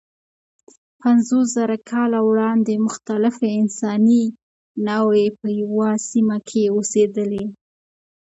پنځوسزره کاله وړاندې مختلفې انساني نوعې په یوه سیمه کې اوسېدلې.